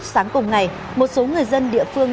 sáng cùng ngày một số người dân địa phương